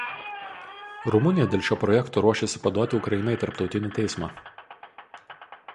Rumunija dėl šio projekto ruošiasi paduoti Ukrainą į Tarptautinį teismą.